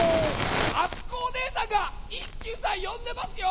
あつこおねえさんが一休さんよんでますよ。